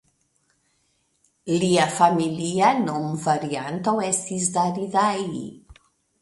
Lia familia nomvarianto estis "Daridai".